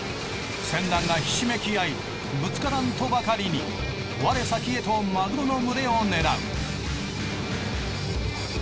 船団がひしめき合いぶつからんとばかりに我先へとマグロの群れを狙う。